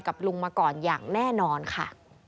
ลุงมาก่อนอย่างแน่นอนค่ะ